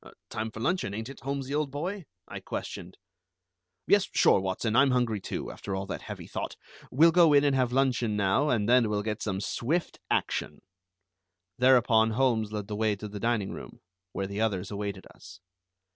"Time for luncheon, ain't it, Holmesy, old boy?" I questioned. "Yes. Sure, Watson. I'm hungry, too, after all that heavy thought. We'll go in and have luncheon now, and then we'll get some swift action." Thereupon Holmes led the way to the dining room, where the others awaited us.